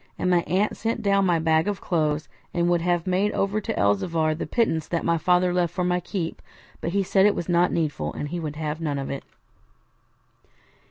and my aunt sent down my bag of clothes, and would have made over to Elzevir the pittance that my father left for my keep, but he said it was not needful, and he would have none of it.